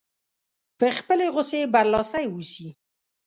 په خپلې غوسې برلاسی اوسي.